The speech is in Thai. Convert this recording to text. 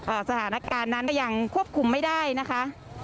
สถานการณ์นั้นก็ยังควบคุมไม่ได้นะคะ